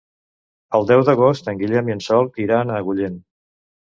El deu d'agost en Guillem i en Sol iran a Agullent.